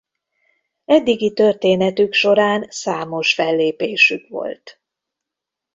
Eddigi történetük során számos fellépésük volt.